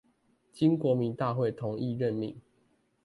經國民大會同意任命